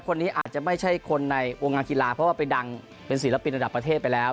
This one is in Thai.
คนนี้อาจจะไม่ใช่คนในวงการกีฬาเพราะว่าไปดังเป็นศิลปินระดับประเทศไปแล้ว